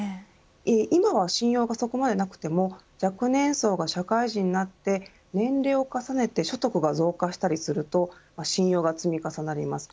今は信用がそこまでなくても若年層が社会人になって年齢を重ねて所得が増加したりすると信用が積み重なります。